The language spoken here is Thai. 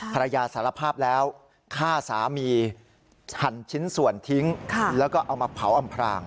สารภาพแล้วฆ่าสามีหั่นชิ้นส่วนทิ้งแล้วก็เอามาเผาอำพราง